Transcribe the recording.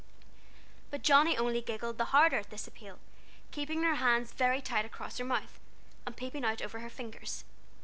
But Johnnie only giggled the harder at this appeal, keeping her hands very tight across her mouth, and peeping out over her fingers.